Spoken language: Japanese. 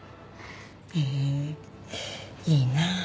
へえいいな。